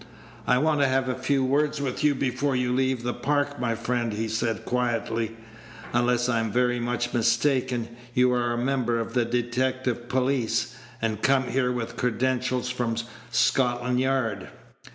"I want to have a few words with you before you leave the Park, my friend," he said, quietly; "unless I am very much mistaken, you are a member of the detective police, and come here with credentials from Scotland Yard."